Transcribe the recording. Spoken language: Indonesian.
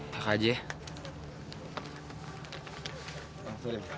pak aja ya